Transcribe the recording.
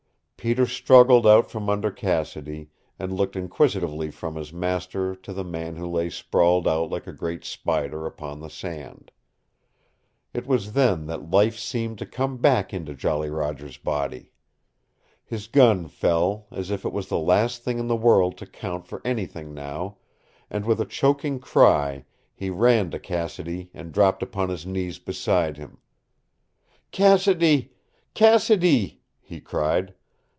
Peter struggled out from under Cassidy, and looked inquisitively from his master to the man who lay sprawled out like a great spider upon the sand. It was then that life seemed to come back into Jolly Roger's body. His gun fell, as if it was the last thing in the world to count for anything now, and with a choking cry he ran to Cassidy and dropped upon his knees beside him. "Cassidy Cassidy " he cried.